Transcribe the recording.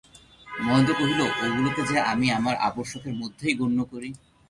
মহেন্দ্র কহিল, ওগুলাকে যে আমি আমার আবশ্যকের মধ্যেই গণ্য করি।